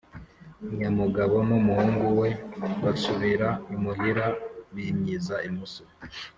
nyamugabo n'umuhungu we basubira imuhira bimyiza imoso,